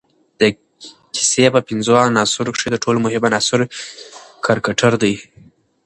د کیسې په پنځو عناصروکښي ترټولو مهم عناصر کرکټر دئ.